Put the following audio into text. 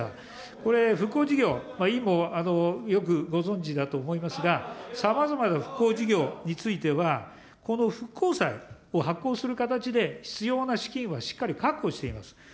これ復興事業、委員もよくご存じだと思いますが、さまざまな復興事業については、この復興債を発行する形で、必要な資金をしっかりと確保しています。